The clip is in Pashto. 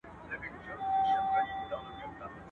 بخت و شنې.